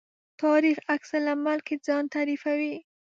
تاریخ عکس العمل کې ځان تعریفوي.